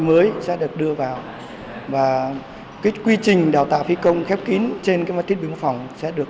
mới sẽ được đưa vào và quy trình đào tạo phi công khép kín trên các máy thiết bị mô phỏng sẽ được